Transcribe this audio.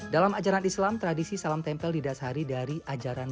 dalam ajaran islam tradisi salam tempel didasari dari ajaran